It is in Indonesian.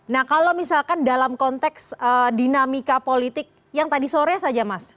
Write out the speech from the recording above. nah kalau misalkan dalam konteks dinamika politik yang tadi sore saja mas